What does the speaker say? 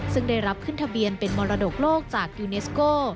ซึ่งได้รับขึ้นทะเบียนเป็นมรดกโลกจากยูเนสโก